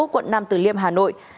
quận năm tử liêm hà nội